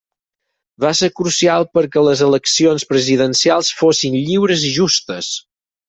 Va ser crucial perquè les eleccions presidencials fossin lliures i justes.